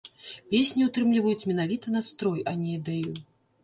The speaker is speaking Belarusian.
Песні ўтрымліваюць менавіта настрой, а не ідэю.